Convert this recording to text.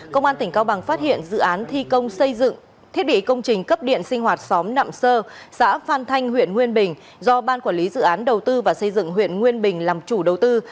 công an tỉnh cao bằng phát hiện dự án thi công xây dựng thiết bị công trình cấp điện sinh hoạt xóm nạm sơ xã phan thanh huyện nguyên bình do ban quản lý dự án đầu tư và xây dựng huyện nguyên bình làm chủ đầu tư